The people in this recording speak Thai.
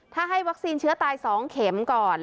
ถ้าให้วัคซีนเชื้อตาย๒เข็มก่อน